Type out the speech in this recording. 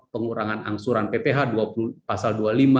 pengurangan angsuran pph dua puluh pasal dua puluh lima